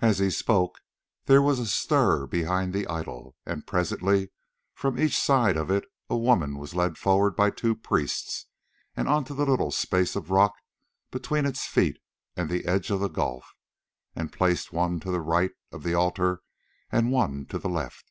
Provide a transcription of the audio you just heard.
As he spoke there was a stir behind the idol, and presently from each side of it a woman was led forward by two priests on to the little space of rock between its feet and the edge of the gulf, and placed one to the right of the altar, and one to the left.